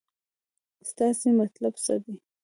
ستاسې مطلب څه دی.